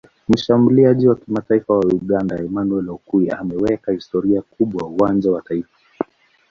Mshambuliaji wa kimataifa wa Uganda Emmanuel Okwi ameweka historia kubwa uwanja wa taifa